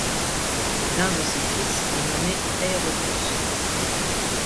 L'un de ses fils est nommé Aéropos.